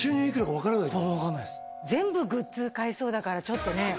分かんないっす全部グッズ買いそうだからちょっとね